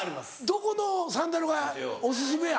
どこのサンダルがお薦めや？